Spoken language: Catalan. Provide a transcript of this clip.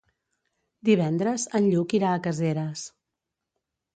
Divendres en Lluc irà a Caseres.